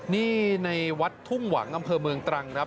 นี่ในวัดทุ่งหวังอำเภอเมืองตรังครับ